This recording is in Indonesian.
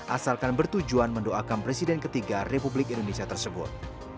asalkan bertujuan mendoakan presiden ketiga republik indonesia tersebut